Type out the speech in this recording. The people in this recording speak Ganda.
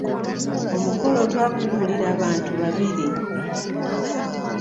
Omukolo twagubalira abantu bibiri.